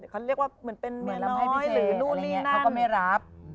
เขาเรียกว่าเหมือนเป็นเมียน้อยหรือลูกหนี้นั่น